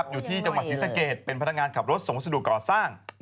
อยู่ที่จังหวัดศรีสะเกดเป็นพนักงานขับรถส่งสดุก่อสร้าง